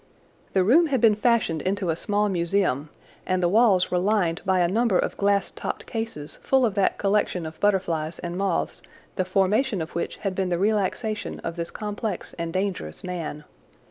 The room had been fashioned into a small museum, and the walls were lined by a number of glass topped cases full of that collection of butterflies and moths the formation of which had been the relaxation of this complex and dangerous man.